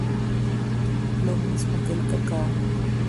Lo mismo que el cacao.